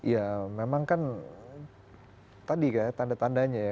ya memang kan tadi kan tanda tandanya ya